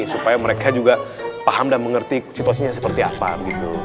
supaya mereka juga paham dan mengerti situasinya seperti apa gitu